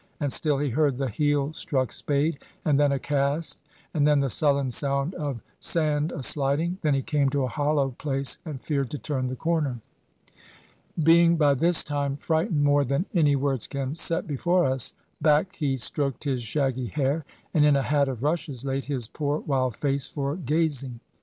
And still he heard the heel struck spade, and then a cast, and then the sullen sound of sand a sliding. Then he came to a hollow place, and feared to turn the corner. Being by this time frightened more than any words can set before us, back he stroked his shaggy hair, and in a hat of rushes laid his poor wild face for gazing.